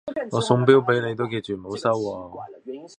我送錶俾你都記住唔好收喎